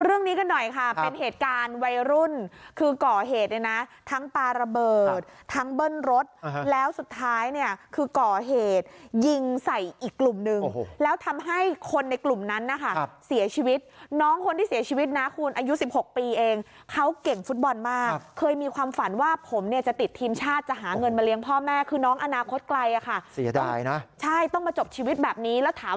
เรื่องนี้กันหน่อยค่ะเป็นเหตุการณ์วัยรุ่นคือก่อเหตุเนี่ยนะทั้งปลาระเบิดทั้งเบิ้ลรถแล้วสุดท้ายเนี่ยคือก่อเหตุยิงใส่อีกกลุ่มนึงแล้วทำให้คนในกลุ่มนั้นนะคะเสียชีวิตน้องคนที่เสียชีวิตนะคุณอายุ๑๖ปีเองเขาเก่งฟุตบอลมากเคยมีความฝันว่าผมเนี่ยจะติดทีมชาติจะหาเงินมาเลี้ยงพ่อแม่คือน้องอนาคตไกลอ่ะค่ะเสียดายนะใช่ต้องมาจบชีวิตแบบนี้แล้วถาม